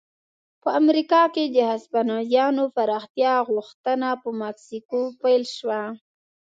په امریکا کې د هسپانویانو پراختیا غوښتنه په مکسیکو پیل شوه.